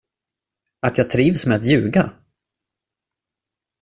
Att jag trivs med att ljuga?